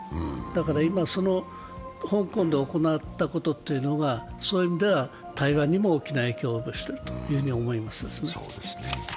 今、香港で行ったことがそういう意味では台湾にも大きな影響を及ぼしていると思います。